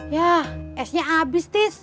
yah esnya abis tis